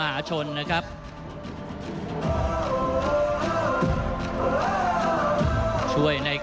ท่านแรกครับจันทรุ่ม